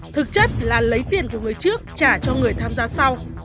thực chất là lấy tiền của người trước trả cho người tham gia sau